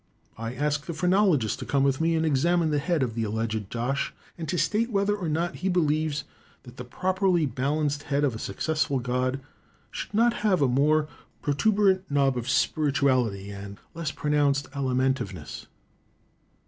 I ask the phrenologist to come with me and examine the head of the alleged Josh, and to state whether or not he believes that the properly balanced head of a successful god should not have a more protuberant knob of spirituality, and a less pronounced alimentiveness.